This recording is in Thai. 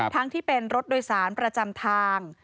ทั้งที่เป็นรถโดยสารประจำทาง